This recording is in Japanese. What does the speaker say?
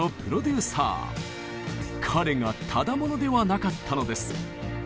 彼がただ者ではなかったのです。